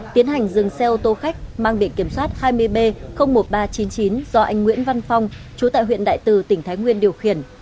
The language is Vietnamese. tiến hành dừng xe ô tô khách mang bị kiểm soát hai mươi b một nghìn ba trăm chín mươi chín do anh nguyễn văn phong chú tại huyện đại từ tỉnh thái nguyên điều khiển